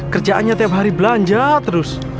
kerjaannya tiap hari belanja terus